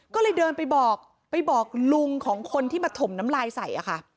ก็เลยเดินไปบอกไปบอกลุงของคนที่มาถมน้ำลายใส่อะค่ะ